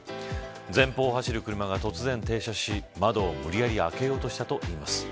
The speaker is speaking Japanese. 前方を走る車が突然、停車し窓を無理やり開けようとしたといいます。